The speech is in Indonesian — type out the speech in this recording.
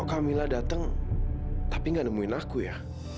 kok kamila datang tapi gak nemuin aku ya